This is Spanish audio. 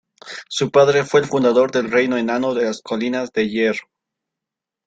Su padre fue el fundador del Reino Enano de las Colinas de Hierro.